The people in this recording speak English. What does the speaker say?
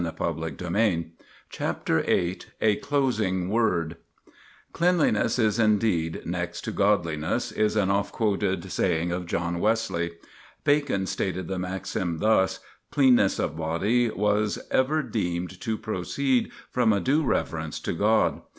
VIII A CLOSING WORD [Sidenote: Cleanliness Next to Godliness] "Cleanliness is indeed next to Godliness," is an oft quoted saying of John Wesley. Bacon stated the maxim thus: "Cleanness of body was ever deemed to proceed from a due reverence to God."